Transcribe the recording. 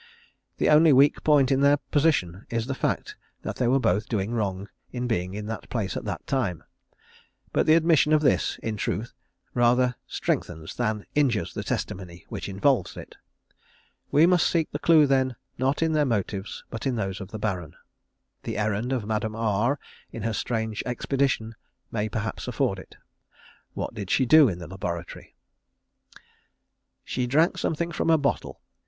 The only weak point in their position is the fact, that they were both doing wrong in being in that place at that time; but the admission of this, in truth, rather strengthens than injures the testimony which involves it. We must seek the clue, then, not in their motives, but in those of the Baron. The errand of Madame R, in her strange expedition, may perhaps afford it. What did she do in the laboratory? _"She drank something from a bottle."